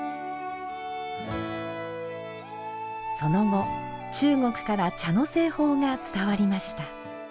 その後、中国から茶の製法が伝わりました。